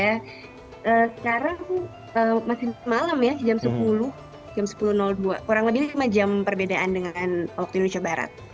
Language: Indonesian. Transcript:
sekarang masih malam ya jam sepuluh kurang lebih jam perbedaan dengan waktu indonesia barat